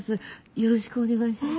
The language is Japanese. よろしくお願いします。